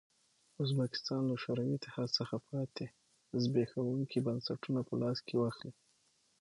ازبکستان له شوروي اتحاد څخه پاتې زبېښونکي بنسټونه په لاس کې واخلي.